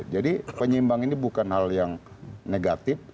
jadi penyeimbang ini bukan hal yang negatif